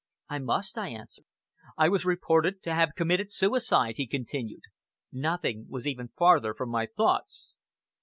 "I must," I answered. "I was reported to have committed suicide," he continued. "Nothing was ever farther from my thoughts."